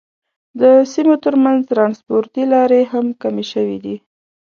د سیمو تر منځ ترانسپورتي لارې هم کمې شوې دي.